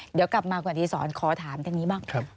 เดี๋ยวกลับมาก่อนที่สอนขอถามแบบนี้บ้าง